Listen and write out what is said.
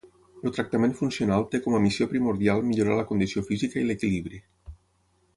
El tractament funcional té com a missió primordial millorar la condició física i l'equilibri.